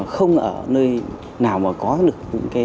không ở nơi nào có được